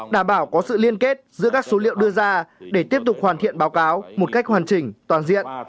đảm bảo có sự liên kết giữa các số liệu đưa ra để tiếp tục hoàn thiện báo cáo một cách hoàn chỉnh toàn diện